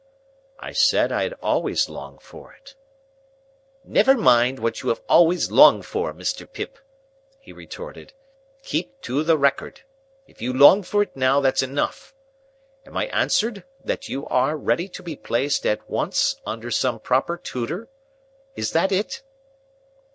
I said I had always longed for it. "Never mind what you have always longed for, Mr. Pip," he retorted; "keep to the record. If you long for it now, that's enough. Am I answered that you are ready to be placed at once under some proper tutor? Is that it?"